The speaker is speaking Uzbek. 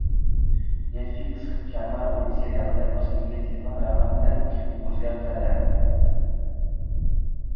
Netflix Kalmar o‘yini serialida ko‘rsatilgan telefon raqamni o‘zgartiradi